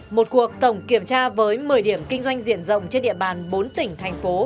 một cuộc tổng kiểm tra với một mươi điểm kinh doanh diện rộng trên địa bàn bốn tỉnh thành phố